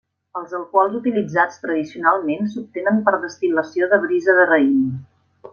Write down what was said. Els alcohols utilitzats tradicionalment s'obtenen per destil·lació de brisa de raïm.